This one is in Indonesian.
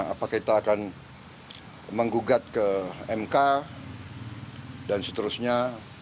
apakah kita akan menggugat ke mk dan seterusnya